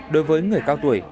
đối với người cao tuổi